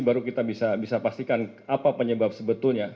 baru kita bisa pastikan apa penyebab sebetulnya